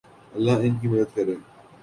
اللہ ان کی مدد کرے